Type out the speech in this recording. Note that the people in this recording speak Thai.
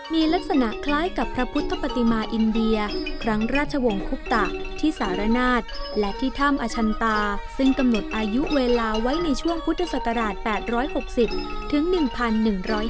มีลักษณะคล้ายกับพระพุทธปฏิมาอินเดียครั้งราชวงศ์คุปตะที่สารนาฏและที่ถ้ำอชันตาซึ่งกำหนดอายุเวลาไว้ในช่วงพุทธศักราช๘๖๐ถึง๑๑๕